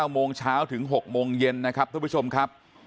โมงเช้าถึง๖โมงเย็นนะครับทุกผู้ชมครับ